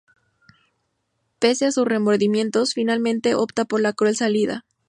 Pese a sus remordimientos, finalmente opta por tan cruel salida.